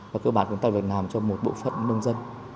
và cơ bản cũng tại việc nàm cho một bộ phận nông dân